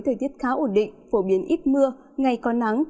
thời tiết khá ổn định phổ biến ít mưa ngày có nắng